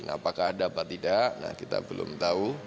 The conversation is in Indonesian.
apakah ada atau tidak kita belum tahu